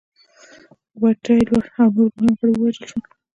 واټ تایلور او نور مهم غړي ووژل شول.